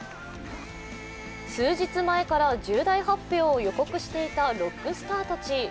数日前から重大発表を予告していたロックスターたち。